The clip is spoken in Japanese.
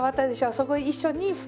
そこ一緒に拭く。